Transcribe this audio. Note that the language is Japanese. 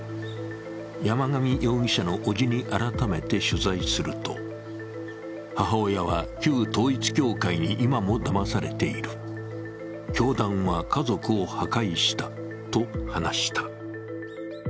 山上容疑者のおじに改めて取材すると母親は旧統一教会に今もだまされている、教団は家族を破壊したと話した。